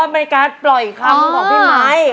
อ๋อไม่การปล่อยคำของพี่ไมค์